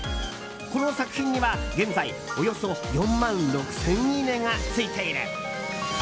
この作品には、現在およそ４万６０００いいねがついている。